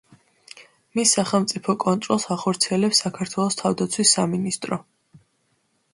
მის სახელმწიფო კონტროლს ახორციელებს საქართველოს თავდაცვის სამინისტრო.